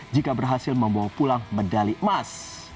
jika berhasil membawa pulang medali emas